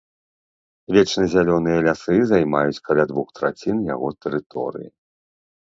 Вечназялёныя лясы займаюць каля двух трацін яго тэрыторыі.